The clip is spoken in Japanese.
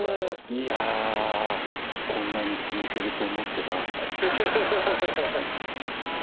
いやこんなに続けると思ってなかったですね。